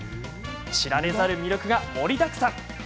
知られざる魅力が盛りだくさん。